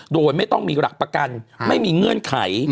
โดยไม่ต้องมีหลักประกันไม่มีเงื่อนไข